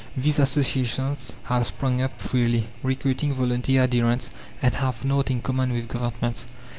These associations have sprung up freely, recruiting volunteer adherents, and have nought in common with governments.